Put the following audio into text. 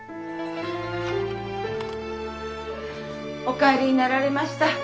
・お帰りになられました。